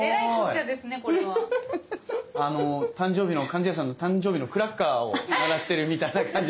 貫地谷さんの誕生日のクラッカーを鳴らしてるみたいな感じ。